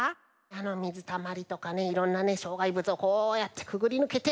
みずたまりとかねいろんなしょうがいぶつをこうやってくぐりぬけて。